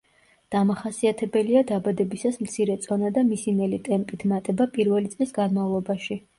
დამახასიათებელია დაბადებისას მცირე წონა და მისი ნელი ტემპით მატება პირველი წლის განმავლობაში.